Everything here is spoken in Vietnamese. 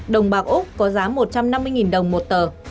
đồng bạc úc có giá một trăm năm mươi đồng một tờ